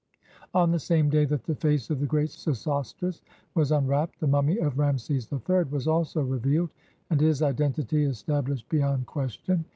On the same day that the face of the great Sesostris was unwrapped, the mummy of Rameses III was also revealed, and his identity established beyond question.